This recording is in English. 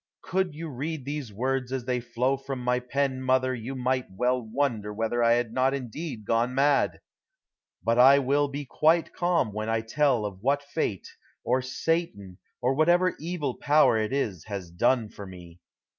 Could you read these words as they flow from my pen, mother, you might well wonder whether I had not indeed gone mad. But I will be quite calm while I tell of what fate, or Satan, or whatever evil power it is, has done for me.